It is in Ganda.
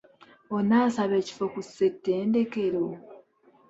Onaasaba ekifo ku ssetendekelo?